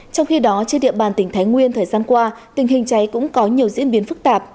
trong khi đó trên địa bàn tỉnh thái nguyên thời gian qua tình hình cháy cũng có nhiều diễn biến phức tạp